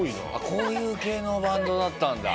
こういう系のバンドだったんだ。